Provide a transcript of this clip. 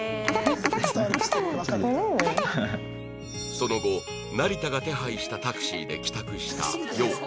その後成田が手配したタクシーで帰宅した洋子